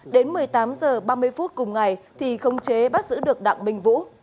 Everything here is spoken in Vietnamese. đến một mươi tám h ba mươi phút cùng ngày thì không chế bắt giữ được đặng minh vũ